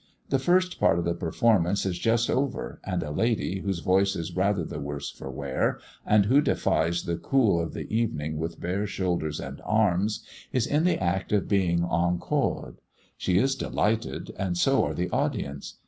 The first part of the performance is just over; and a lady, whose voice is rather the worse for wear, and who defies the cool of the evening with bare shoulders and arms, is in the act of being encored. She is delighted, and so are the audience.